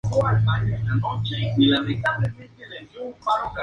Debajo del selector de personaje aparece un botón de habilidad de equipo.